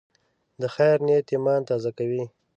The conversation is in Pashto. د خیر نیت ایمان تازه کوي.